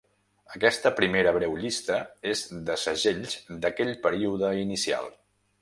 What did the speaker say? Aquesta primera breu llista és de segells d'aquell període inicial.